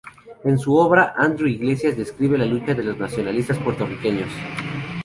En su obra, Andreu Iglesias describe la lucha de los nacionalistas puertorriqueños.